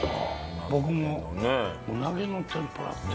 僕もうなぎの天ぷらって。